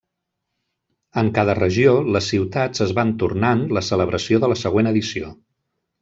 En cada regió, les ciutats es van tornant la celebració de la següent edició.